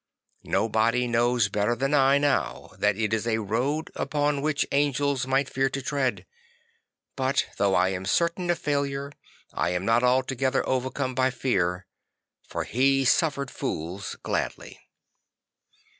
Nobody knows better than I do now that it is a road upon which angels might fear to tread; but though I am certain of failure I am not altogether overcome by fear; for he suffered fools gladly.